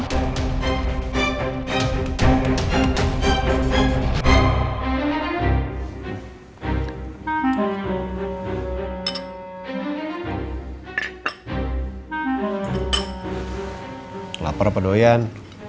dia masih gamau daripada children